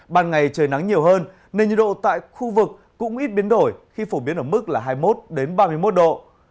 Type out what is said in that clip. ban ngày trời nắng nhiều hơn nên nhiệt độ tại khu vực cũng ít biến đổi khi phổ biến ở mức là hai mươi một ba mươi một độ